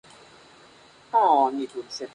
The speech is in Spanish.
La corona está forrada de gules o rojo.